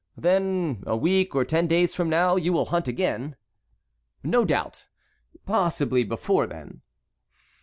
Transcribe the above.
"Then a week or ten days from now you will hunt again?" "No doubt; possibly before then."